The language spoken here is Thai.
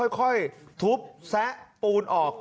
ค่อยทุบแซะปูนออก